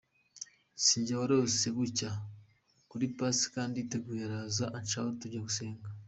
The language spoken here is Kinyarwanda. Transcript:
Si jye warose bucya kuri Pasika nditegura araza ancaho tujya gusenga.